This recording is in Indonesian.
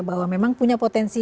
bahwa memang punya potensi